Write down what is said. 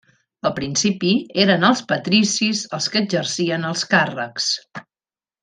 Al principi eren els patricis els que exercien els càrrecs.